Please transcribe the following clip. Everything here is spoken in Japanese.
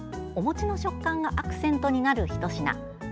お餅の食感がアクセントになるひと品。